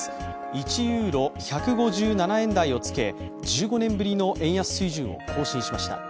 １ユーロ＝１５７円台をつけ、１５年ぶりの円安水準を更新しました。